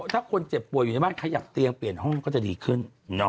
ถ้าคนเจ็บป่วยอยู่ในบ้านขยับเตียงเปลี่ยนห้องก็จะดีขึ้น